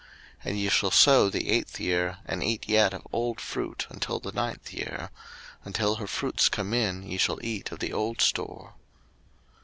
03:025:022 And ye shall sow the eighth year, and eat yet of old fruit until the ninth year; until her fruits come in ye shall eat of the old store.